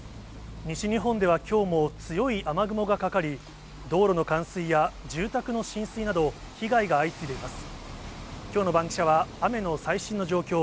西日本ではきょうも強い雨雲がかかり、道路の冠水や住宅の浸水など、被害が相次いでいます。